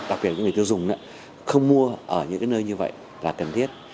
đặc biệt là người tiêu dùng không mua ở những nơi như vậy là cần thiết